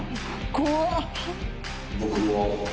怖っ！